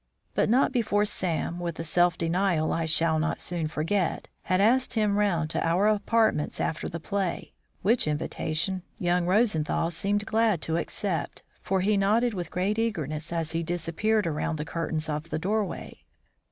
But not before Sam, with a self denial I shall not soon forget, had asked him round to our apartments after the play; which invitation young Rosenthal seemed glad to accept, for he nodded with great eagerness as he disappeared around the curtains of the doorway.